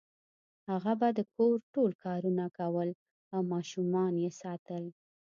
هغه به د کور ټول کارونه کول او ماشومان یې ساتل